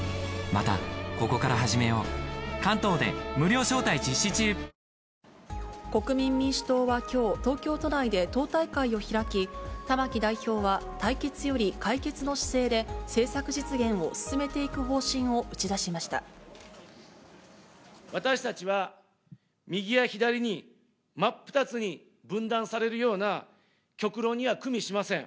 「お椀で食べるシリーズ」国民民主党はきょう、東京都内で党大会を開き、玉木代表は対決より解決の姿勢で、政策実現を進めていく方針を打ち私たちは、右や左に真っ二つに分断されるような極論にはくみしません。